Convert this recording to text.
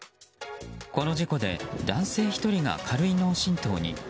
この事故で男性１人が軽い脳しんとうに。